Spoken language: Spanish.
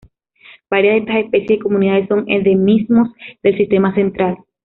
Varias de estas especies y comunidades son endemismos del Sistema Central.